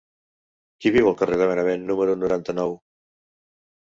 Qui viu al carrer de Benavent número noranta-nou?